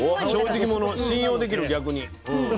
正直者は信用できる逆に。